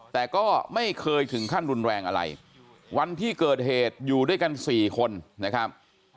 แต่ก็ไม่เคยถึงขั้นรุนแรงอะไรวันที่เกิดเหตุอยู่ด้วยกัน๔คนนะครับ